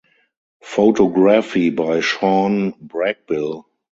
Photography by Shawn Brackbill.